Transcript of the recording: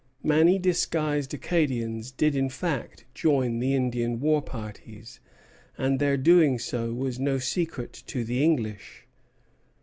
Many disguised Acadians did in fact join the Indian war parties; and their doing so was no secret to the English.